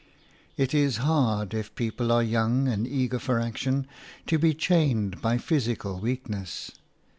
It is hard, if people are young and eager for action, to be chained by physical weakness.